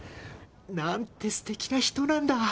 なんて素敵な人なんだ！